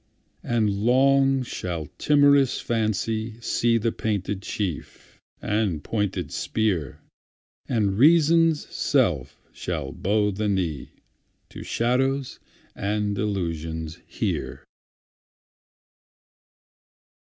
And long shall timorous Fancy seeThe painted chief, and pointed spear, And Reason's self shall bow the kneeTo shadows and delusions here.